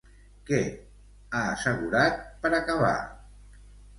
Què ha assegurat, per acabar?